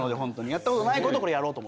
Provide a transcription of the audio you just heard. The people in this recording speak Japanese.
やったことないことをやろうと。